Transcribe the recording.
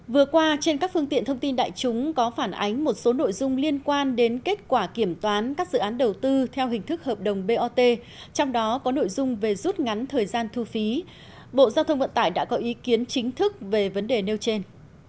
vừa qua trên các phương tiện thông tin đại chúng có phản ánh một số nội dung liên quan đến kết quả kiểm toán các dự án đầu tư theo hình thức hợp đồng bot trong đó có nội dung về rút ngắn thời gian thu phí bộ giao thông vận tải đã có ý kiến chính thức về vấn đề nêu trên